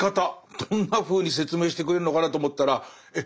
どんなふうに説明してくれるのかなと思ったらえっ